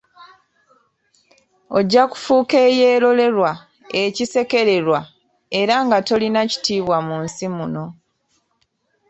Ojja kufuuka eyerolerwa, ekisekererwa, era nga tolina kitiibwa mu nsi muno.